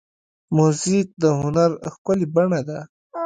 موزیک د هنر ښکلې بڼه ده.